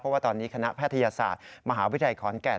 เพราะว่าตอนนี้คณะแพทยศาสตร์มหาวิทยาลัยขอนแก่น